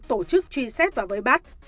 tổ chức truy xét và vơi bắt